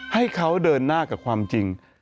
ให้เขาเดินหน้ากับความจริง